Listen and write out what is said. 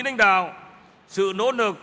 nánh đạo sự nỗ lực